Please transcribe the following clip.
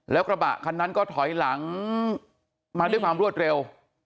แล้วกระบะคันนั้นก็ถอยหลังมาด้วยความรวดเร็ว